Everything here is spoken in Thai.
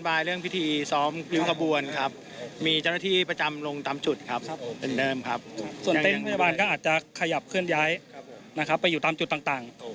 เต้นที่พยาบาลก็อาจจะขยับเคลื่อนย้ายไปอยู่ตามจุดต่าง